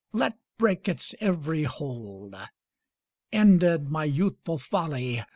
Let break its every hold! Ended my youthful folly!